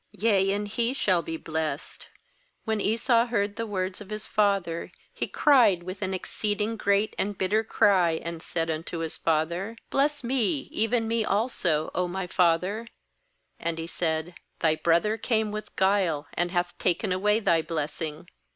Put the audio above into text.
yea, and he shall be blessed.' 34When Esau heard the words of his father, he cried with an exceeding great and bitter cry, and said unto his father: 'Bless me, even me also, O my father/ 35And he said. 'Thy brother came with guile, and hath taken away thy blessing.'